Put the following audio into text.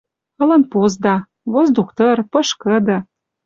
Ылын позда. Воздух тыр, пышкыды